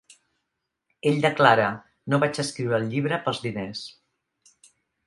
Ell declara, "No vaig escriure el llibre pels diners...